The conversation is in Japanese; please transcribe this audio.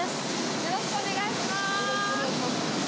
よろしくお願いします。